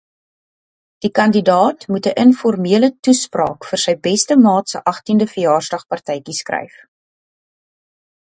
Die kandidaat moet 'n informele toespraak vir sy beste maat se agtiende verjaarsdagpartytjie skryf.